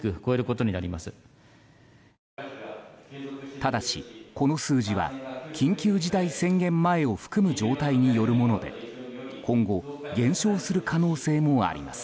ただし、この数字は緊急事態宣言前を含む状態によるもので今後、減少する可能性もあります。